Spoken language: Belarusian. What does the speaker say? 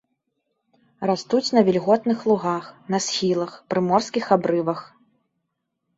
Растуць на вільготных лугах, на схілах, прыморскіх абрывах.